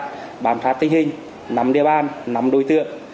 hình hình nắm địa bàn nắm đối tượng